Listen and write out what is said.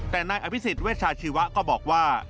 แต่นายอภิษฎเวชาชีวะก็บอกว่า